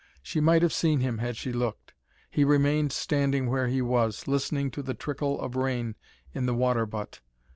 She might have seen him had she looked. He remained standing where he was, listening to the trickle of rain in the water butt.